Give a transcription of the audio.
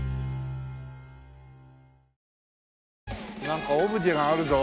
なんかオブジェがあるぞ。